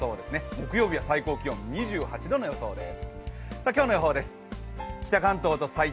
木曜日は最高気温２８度の予想です。